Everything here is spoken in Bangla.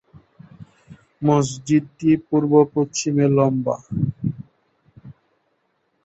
মসজিদটি পুর্ব-পশ্চিমে লম্বা।